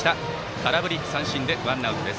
空振り三振でワンアウト。